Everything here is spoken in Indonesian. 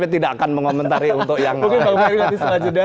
mungkin bang ferry nanti setelah jeda